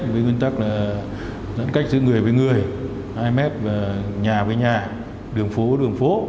với nguyên tắc là sẵn cách giữa người với người nhà với nhà đường phố với đường phố